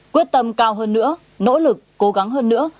quyết tâm cao hơn nữa nỗ lực cố gắng hơn nữa